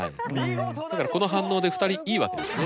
だからこの反応で２人いいわけですね。